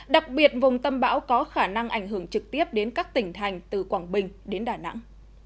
đặc biệt vùng tâm bão có khả năng ảnh hưởng trực tiếp đến các tỉnh thành từ quảng bình đến đà nẵng